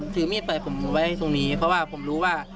ถือมีดปล่อยผมไว้ตรงนี้เพราะว่าผมรู้ว่า